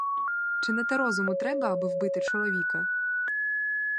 Чи на те розуму треба, аби вбити чоловіка?